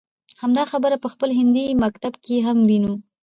همدا خبره په خپل هندي مکتب کې هم وينو.